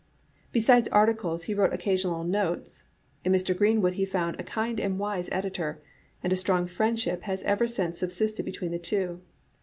Besides articles, he wrote occasional notes. In Mr. Greenwood he found a kind and wise editor, and a strong friendship has ever since subsisted between the two.